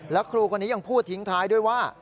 แล้วครูคนนี้ยังพูดทิ้งท้ายด้วยว่า